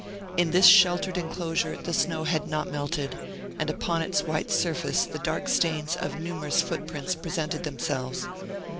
In this sheltered enclosure the snow had not melted, and upon its white surface the dark stains of numerous footprints presented themselves.